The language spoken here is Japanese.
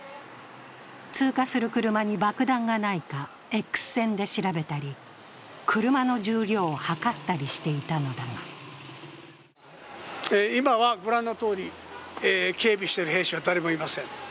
通過する車に爆弾がないか、Ｘ線で調べたり車の重量を量ったりしていたのだが今は御覧のとおり警備している兵士は誰もいません。